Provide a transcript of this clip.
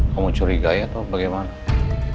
kamu curigai atau bagaimana